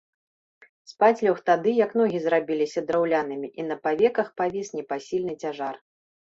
Спаць лёг тады, як ногі зрабіліся драўлянымі і на павеках павіс непасільны цяжар.